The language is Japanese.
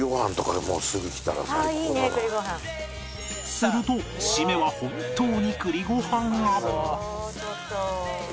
すると締めは本当に栗御飯が